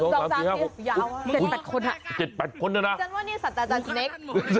ฉันว่านี่สัตว์อาจารย์สเนค